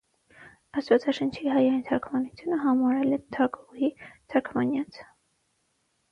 Աստվածաշնչի հայերեն թարգմանությունը համարել է «թագուհի թարգմանութեանց»։